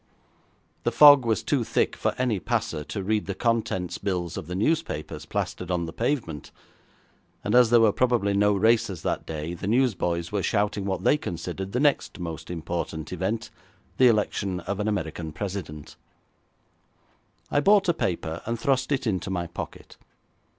The fog was too thick for any passer to read the contents bills of the newspapers plastered on the pavement, and as there were probably no races that day the newsboys were shouting what they considered the next most important event the election of an American President. I bought a paper and thrust it into my pocket.